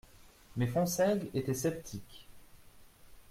Mais Fonsègue était sceptique.